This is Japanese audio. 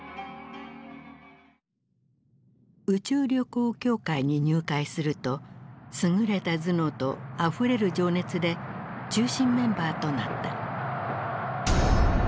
宇宙旅行協会に入会すると優れた頭脳とあふれる情熱で中心メンバーとなった。